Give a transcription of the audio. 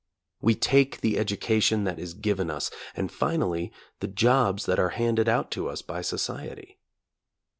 We take the education that is given us, and finally the jobs that are handed out to us by society.